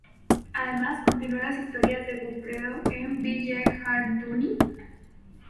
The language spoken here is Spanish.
Además continuo las historias de Godofredo de Villehardouin.